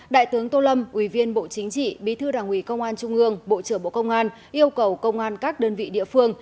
đại tướng tô lâm ủy viên bộ chính trị bí thư đảng ủy công an trung ương bộ trưởng bộ công an yêu cầu công an các đơn vị địa phương